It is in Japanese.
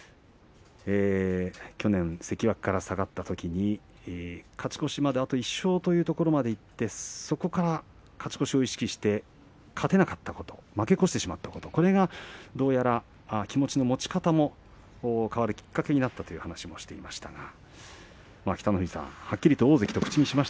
天空海、関脇から下がったときに勝ち越しまであと１勝というところまでいってそこから勝ち越しを意識して勝てなかったこと負け越してしまったことこれがどうやら気持ちの持ち方も変わるきっかけになったという話をしていました。